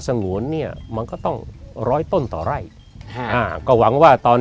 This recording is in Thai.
สงวนเนี่ยมันก็ต้องร้อยต้นต่อไร่อ่าก็หวังว่าตอน